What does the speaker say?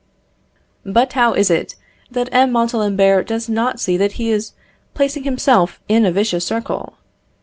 But how is it that M. Montalembert does not see that he is placing himself in a vicious circle?